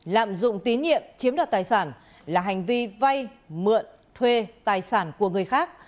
lạm dụng tín nhiệm chiếm đoạt tài sản là hành vi vay mượn thuê tài sản của người khác